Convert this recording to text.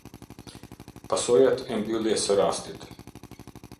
Pasojat e mbylljes së rastit.